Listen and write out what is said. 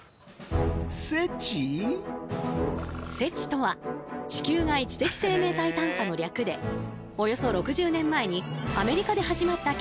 ＳＥＴＩとは「地球外知的生命体探査」の略でおよそ６０年前にアメリカで始まった研究分野。